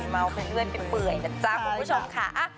เมาเป็นเพื่อนเป็นเปื่อยนะจ๊ะคุณผู้ชมค่ะ